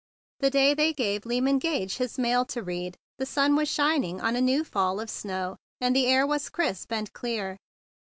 The day they gave Lyman Gage his mail to read the sun was shining on a new fall of snow, and the air was crisp and clear.